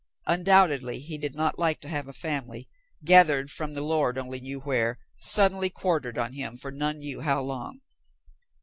Undoubtedly he did not like to have a family, gathered from the Lord only knew where, suddenly quartered on him for none knew how long.